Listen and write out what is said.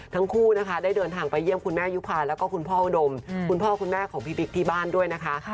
ทั้งคู่นะคะได้เดินทางไปเยี่ยมคุณแม่ยุภาแล้วก็คุณพ่ออุดมคุณพ่อคุณแม่ของพี่บิ๊กที่บ้านด้วยนะคะ